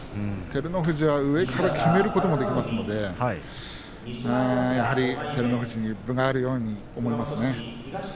照ノ富士は上からきめることもできますのでやはり照ノ富士に分があるように思いますね。